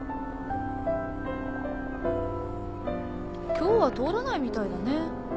今日は通らないみたいだね。